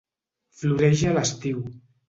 Floreix a l'estiu.